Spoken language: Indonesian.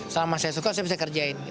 selama saya suka saya bisa kerjain